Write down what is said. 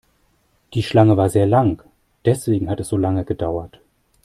Die Schlange war sehr lang, deswegen hat es so lange gedauert.